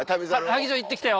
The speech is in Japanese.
「萩城行ってきたよ」